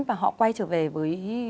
và họ quay trở về với